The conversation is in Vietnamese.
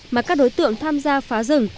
mà các đối tượng tham gia phá rừng